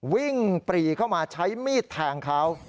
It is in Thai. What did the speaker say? ปรีเข้ามาใช้มีดแทงเขา